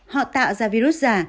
họ tạo ra virus giả